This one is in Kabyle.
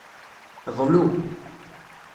Ḍlu.